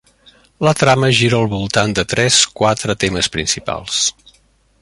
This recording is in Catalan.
La trama gira al voltant de tres quatre temes principals.